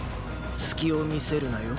隙を見せるなよ。！